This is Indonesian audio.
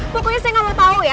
pokoknya saya gak mau tau ya